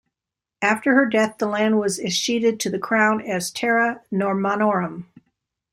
After her death, the land was escheated to the crown as "Terra Normanorum".